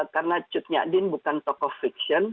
karena cutnya din bukan tokoh fiksyen